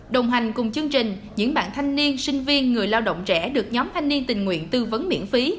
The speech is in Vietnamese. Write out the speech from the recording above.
đồng hành cùng chương trình những bạn thanh niên sinh viên người lao động trẻ được nhóm thanh niên tình nguyện tư vấn miễn phí